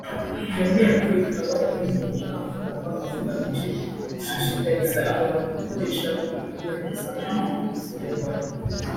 Iyo nteko ikaba iri mu bukangurambaga bugamije gushishikariza abantu gukoresha no kuvuga neza ururimi rw’Ikinyarwanda